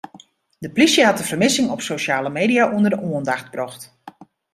De polysje hat de fermissing op sosjale media ûnder de oandacht brocht.